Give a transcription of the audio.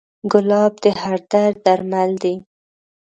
ګلاب د هر درد درمل دی.